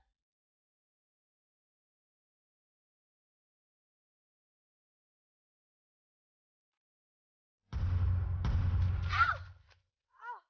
itu mas itu ada yang lewat